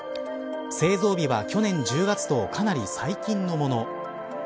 製造日は去年１０月とかなり最近のもの。